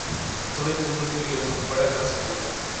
தொலை தூரத்திலிருக்கும் வட காசிக்கல்ல.